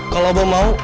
kalau abang mau